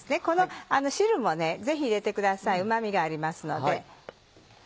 この汁もねぜひ入れてくださいうま味がありますので。